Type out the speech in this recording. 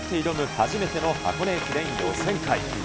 初めての箱根駅伝予選会。